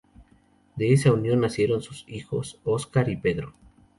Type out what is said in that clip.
De esa unión nacieron sus hijos Óscar y Pedro.